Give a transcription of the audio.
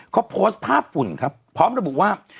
เขาโพสต์ภาพฝุ่นครับพร้อมระบุว่า